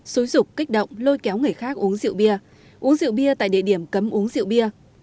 xúi rục kích động lôi kéo người khác uống rượu bia uống rượu bia tại địa điểm cấm uống rượu bia